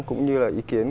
cũng như là ý kiến